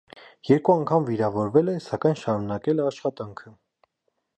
Երկու անգամ վիրավորվել է, սակայն շարունակել է աշխատանքը։